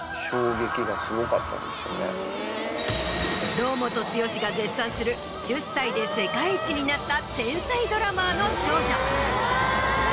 堂本剛が絶賛する１０歳で世界一になった天才ドラマーの少女。